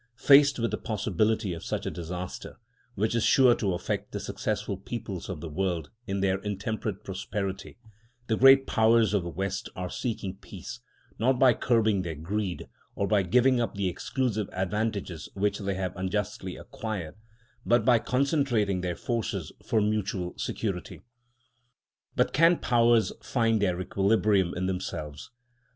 Faced with the possibility of such a disaster, which is sure to affect the successful peoples of the world in their intemperate prosperity, the great Powers of the West are seeking peace, not by curbing their greed, or by giving up the exclusive advantages which they have unjustly acquired, but by concentrating their forces for mutual security. But can powers find their equilibrium in themselves?